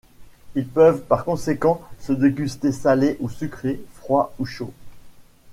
Ils peuvent par conséquent se déguster salés ou sucrés, froids ou chauds.